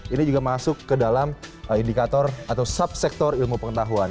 ini juga masuk ke dalam indikator atau subsektor ilmu pengetahuan